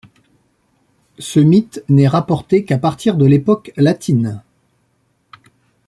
Ce mythe n'est rapporté qu'à partir de l'époque latine.